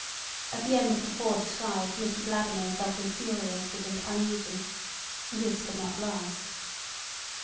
At the end of the fourth stride Mr Vladimir felt infuriated and uneasy. This could not last.